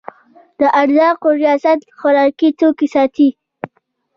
د ارزاقو ریاست خوراکي توکي ساتي